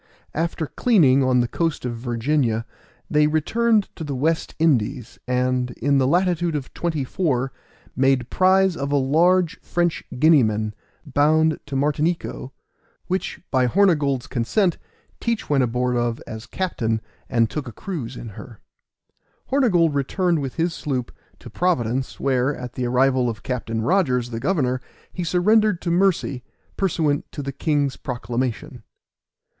After cleaning on the coast of Virginia, they returned to the West Indies, and in the latitude of 24, made prize of a large French Guineaman, bound to Martinico, which, by Hornygold's consent, Teach went aboard of as captain, and took a cruise in her. Hornygold returned with his sloop to Providence, where, at the arrival of Captain Rogers, the governor, he surrendered to mercy, pursuant to the king's proclamation.